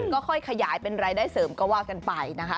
ก็ค่อยขยายเป็นรายได้เสริมก็ว่ากันไปนะคะ